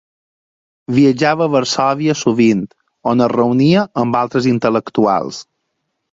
Viatjava a Varsòvia sovint, on es reunia amb altres intel·lectuals.